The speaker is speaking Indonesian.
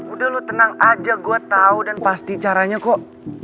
udah lu tenang aja gue tau dan pasti caranya kok